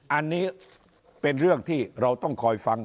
อันนี้เป็นเรื่องที่เราต้องคอยฟัง